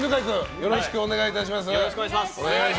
よろしくお願いします。